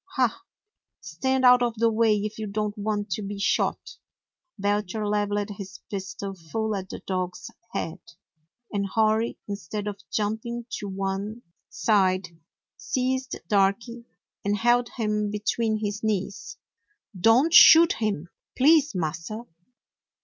"Ah! "Stand out of the way if you don't want to be shot!" Belcher leveled his pistol full at the dog's head, and Hori, instead of jumping to one 123 DOG HEROES OF MANY LANDS side, seized Darky, and held him between his knees. "Don't shoot him! Please, Massa!"